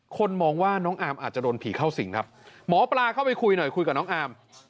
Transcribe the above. คนมองว่าน้องอาร์มอาจจะโดนผีเข้าสิงครับหมอปลาเข้าไปคุยหน่อยคุยกับน้องอาม